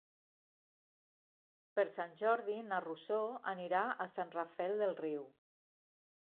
Per Sant Jordi na Rosó anirà a Sant Rafel del Riu.